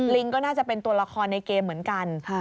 ก็น่าจะเป็นตัวละครในเกมเหมือนกัน